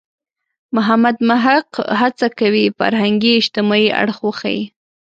محمد محق هڅه کوي فرهنګي – اجتماعي اړخ وښيي.